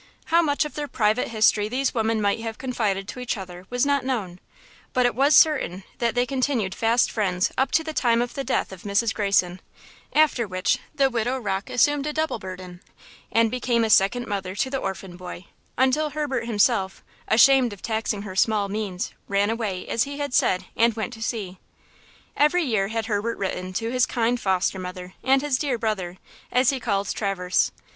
How much of their private history these women might have confided to each other was not known, but it was certain that they continued fast friends up to the time of the death of Mrs. Greyson, after which the widow Rocke assumed a double burden, and became a second mother to the orphan boy, until Herbert himself, ashamed of taxing her small means, ran away, as he had said, and went to sea. Every year had Herbert written to his kind foster mother and his dear brother, as he called Traverse.